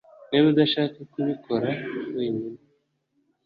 niba udashaka kubikora wenyine